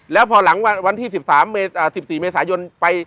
แล้วพอหลังวันที่๑๔เมซายน